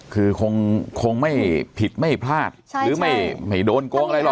คือคงไม่ผิดไม่พลาดหรือไม่โดนโกงอะไรหรอก